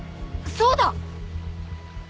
そうだ！